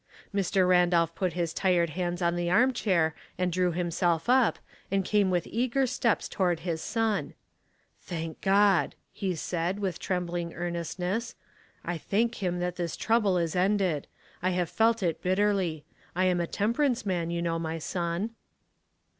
Mr. Randolph put his tired hands on tht arm chair and drew himself up, and came with eager steps toward his son. " Thank God," he said, with trembling earnestness. " I thank him that this trouble is ended. I have felt it bitterly. I am a temper ance man, you know, my son."